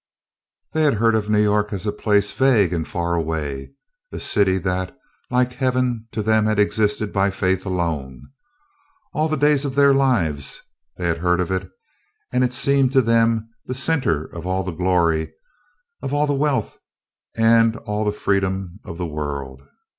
They had heard of New York as a place vague and far away, a city that, like Heaven, to them had existed by faith alone. All the days of their lives they had heard of it, and it seemed to them the centre of all the glory, all the wealth, and all the freedom of the world.